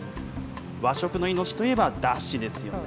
和食の命といえばだしですよね。